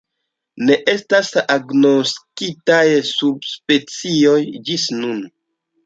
Ne estas agnoskitaj subspecioj ĝis nun.